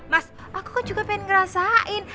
mas aku kan juga pengen ngerasain